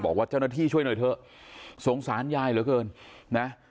บอกว่าเจ้าหน้าที่ช่วยหน่อยเถอะสงสารยายเหลือเกินนะ